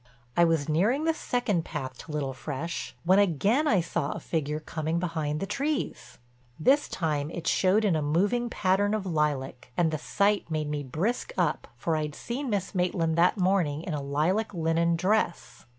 I was nearing the second path to Little Fresh, when again I saw a figure coming behind the trees. This time it showed in a moving pattern of lilac and the sight made me brisk up for I'd seen Miss Maitland that morning in a lilac linen dress.